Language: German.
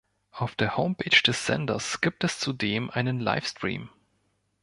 Auf der Homepage des Senders gibt es zudem einen Livestream.